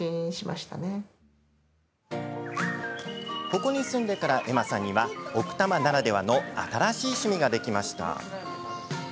ここに住んでから絵麻さんには奥多摩ならではの新しい趣味ができました。